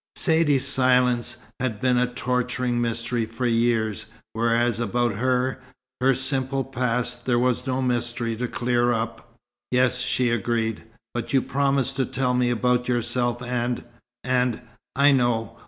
Saidee's silence had been a torturing mystery for years, whereas about her, her simple past, there was no mystery to clear up. "Yes," she agreed. "But you promised to tell me about yourself and and " "I know.